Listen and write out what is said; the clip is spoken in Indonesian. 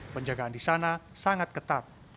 penjagaan di sana sangat ketat